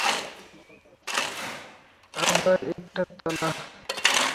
আবার একটা তালা।